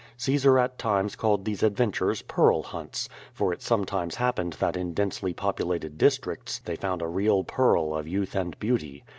Caesar at times called these adventures ^^pearl hunts,'' for it sometimes happened that in densely populated districts they found a real pearl of youth and beauty.